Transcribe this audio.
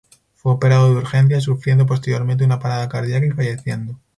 Fue operado de urgencia, sufriendo posteriormente una parada cardiaca y falleciendo.